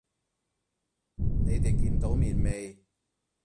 你哋見到面未？